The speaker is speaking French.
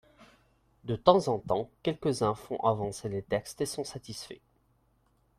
De temps en temps, quelques-uns font avancer les textes et sont satisfaits.